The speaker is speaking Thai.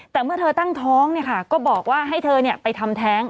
แต่เมื่อเธอตั้งท้องก็บอกว่าให้เธอไปทำแท้ง